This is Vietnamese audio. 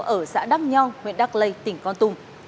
ở xã đắk nho huyện đắk lây tỉnh con tùng